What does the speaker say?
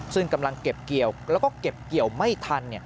ซึ่งกำลังเก็บเกี่ยวแล้วก็เก็บเกี่ยวไม่ทัน